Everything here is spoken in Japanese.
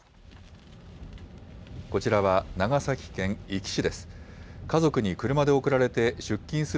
こちらは長崎県壱岐市です。